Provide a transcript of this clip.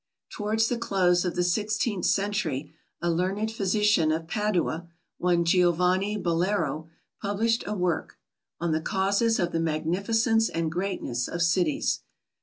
Towards the close of the sixteenth century, a learned physician of Padua one Giovanni Bolero published a work "On the Causes of the Magnificence and Greatness of Cities."